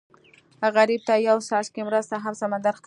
غریب ته یو څاڅکی مرسته هم سمندر ښکاري